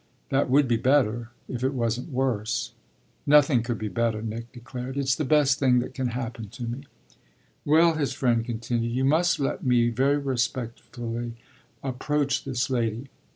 "That would be better if it wasn't worse." "Nothing could be better," Nick declared. "It's the best thing that can happen to me." "Well," his friend continued, "you must let me very respectfully approach this lady.